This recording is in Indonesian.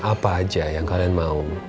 apa aja yang kalian mau